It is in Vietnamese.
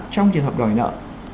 trong trường hợp đòi nợ